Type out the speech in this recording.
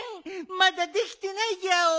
まだできてないギャオ。